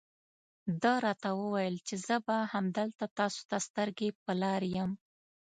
ده راته وویل چې زه به همدلته تاسو ته سترګې په لار یم.